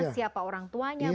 siapa orang tuanya